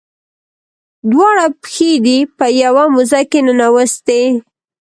دواړه پښې دې په یوه موزه کې ننویستې.